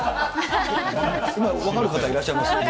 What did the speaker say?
分かる方いらっしゃいます？